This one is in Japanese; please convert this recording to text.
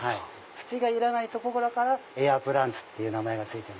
土がいらないところからエアプランツって名前が付いてる。